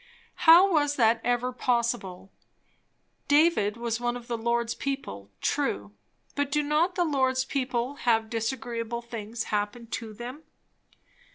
_ How was that ever possible? David was one of the Lord's people; true; but do not the Lord's people have disagreeable things happen to them?